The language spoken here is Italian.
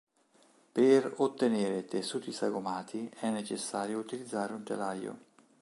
Per ottenere tessuti sagomati è necessario utilizzare un telaio.